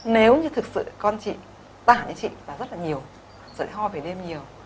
nếu như thực sự con chị ta hẳn như chị là rất là nhiều sợi ho về đêm nhiều